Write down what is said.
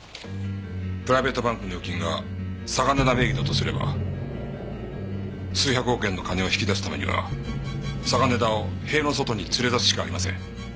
プライベートバンクの預金が嵯峨根田名義だとすれば数百億円の金を引き出すためには嵯峨根田を塀の外に連れ出すしかありません。